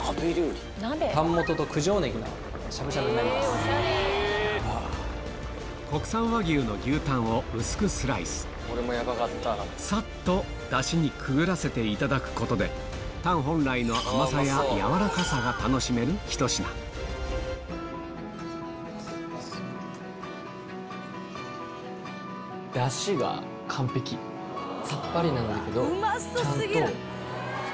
続いては国産和牛の牛タンを薄くスライスさっとダシにくぐらせていただくことでタン本来の楽しめるひと品さっぱりなんだけどちゃんと深い。